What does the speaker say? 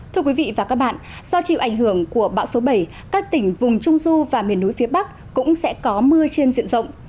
thưa quý vị và các bạn do chịu ảnh hưởng của bão số bảy các tỉnh vùng trung du và miền núi phía bắc cũng sẽ có mưa trên diện rộng